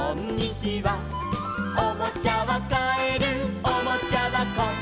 「おもちゃはかえるおもちゃばこ」